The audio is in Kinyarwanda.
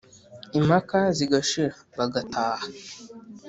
impaka zigashira bagataha